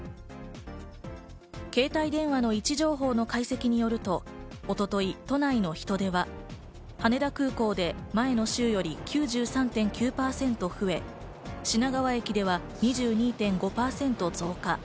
携帯電話の位置情報の解析によると、一昨日、都内の人出は羽田空港で前の週より９３．９％増え、品川駅では２２．５％増加。